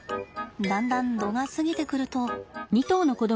だんだん度が過ぎてくると。